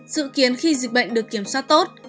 dự kiến khi dịch bệnh được kiểm soát tốt